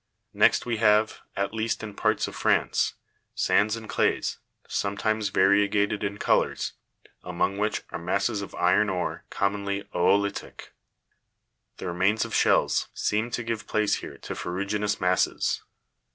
Next we have, at least in parts of France, sands and clays, sometimes variegated in colours, among which are masses of iron ore, com monly o'olitic. The remains of shells seem to give place here to ferruginous masses.